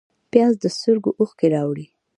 پیاز د سترګو اوښکې راوړي